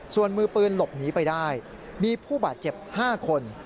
ส่วนมือปืนหลบหนีไปได้มีผู้บาดเจ็บ๕คน